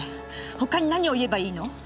他に何を言えばいいの！？